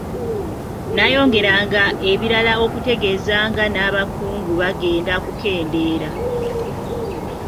N'ayongeranga ebirala okutegeeze nga n'abakungu bagenda kukendeera.